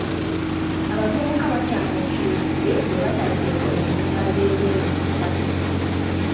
Abavubuka baakyamuukiridde bwe baataddeeko ennyimba z'ebweru ku party.